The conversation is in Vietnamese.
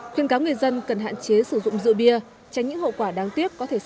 khuyên cáo người dân cần hạn chế sử dụng rượu bia tránh những hậu quả đáng tiếc có thể xảy ra